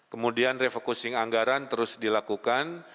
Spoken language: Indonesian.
kemudian refocusing anggaran terus dilakukan